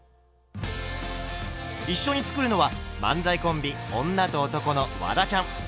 一緒に作るのは漫才コンビ「女と男」のワダちゃん。